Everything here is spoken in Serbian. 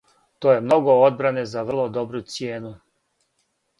То је много одбране за врло добру цијену.